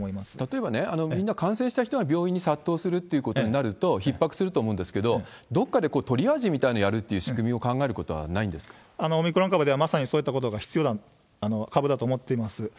例えば、みんな感染した人が病院に殺到するっていうことになると、ひっ迫すると思うんですけれども、どっかでトリアージみたいなものをやるっていう仕組みを考えるこオミクロン株ではまさにそういったことが必要な株だと思っています。